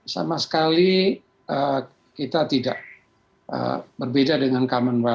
sama sekali kita tidak mengerti bahwa kita harus berpengaruh